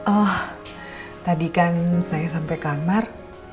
oh tadi kan saya sampai kamar